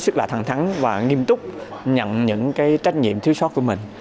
sức là thẳng thắng và nghiêm túc nhận những cái trách nhiệm thiếu sót của mình